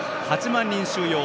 ８万人収容。